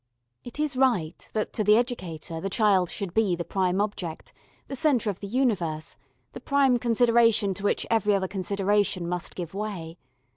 It is right that to the educator the child should be the prime object, the centre of the universe, the prime consideration to which every other consideration must give way.